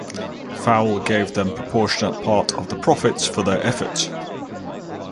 Fowle gave them proportionate part of the profits for their efforts.